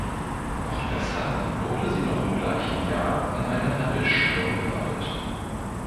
Auch deshalb wurde sie noch im gleichen Jahr in eine Handelsschule umgewandelt.